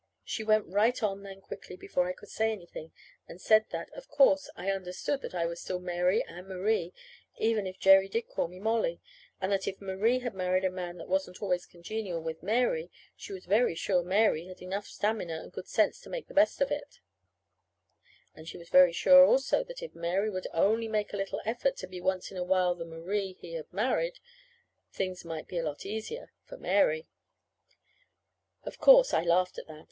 She went right on then quickly, before I could say anything. She said that, of course, I understood that I was still Mary and Marie, even if Jerry did call me Mollie; and that if Marie had married a man that wasn't always congenial with Mary, she was very sure Mary had enough stamina and good sense to make the best of it; and she was very sure, also, that if Mary would only make a little effort to be once in a while the Marie he had married, things might be a lot easier for Mary. Of course, I laughed at that.